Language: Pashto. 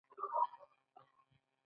هغه د کوڅه پر څنډه ساکت ولاړ او فکر وکړ.